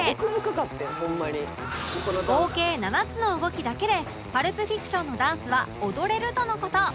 合計７つの動きだけで『パルプ・フィクション』のダンスは踊れるとの事